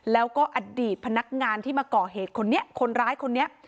แล้วก็อดีตพนักงานที่มาก่อเหตุคนนี้คนร้ายคนนี้